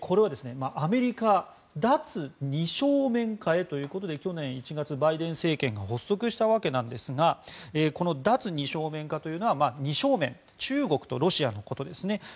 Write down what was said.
アメリカは脱二正面化へということで去年１月、バイデン政権が発足したわけですがこの脱二正面化というのは二正面中国とロシアのことですね。